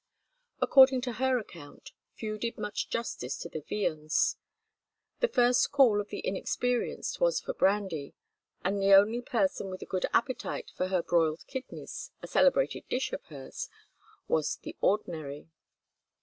According to her account, few did much justice to the viands: the first call of the inexperienced was for brandy, and the only person with a good appetite for her broiled kidneys, a celebrated dish of hers, was the ordinary.